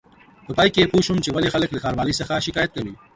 په پای کې پوه شوم چې ولې خلک له ښاروالۍ څخه شکایت کوي.